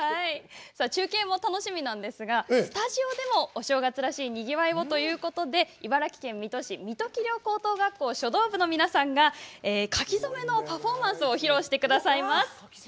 中継も楽しみなんですがスタジオでもお正月らしいにぎわいをということで茨城県水戸市水戸葵陵高等学校書道部の皆さんが書き初めのパフォーマンスを披露してくださいます。